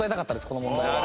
この問題は。